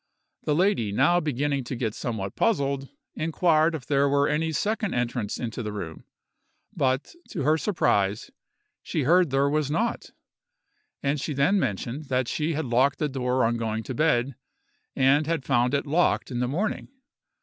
The lady now beginning to get somewhat puzzled, inquired if there were any second entrance into the room; but, to her surprise, she heard there was not; and she then mentioned that she had locked the door on going to bed, and had found it locked in the morning.